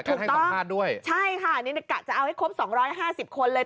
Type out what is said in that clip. การให้สัมภาษณ์ด้วยใช่ค่ะนี่จะเอาให้ครบ๒๕๐คนเลย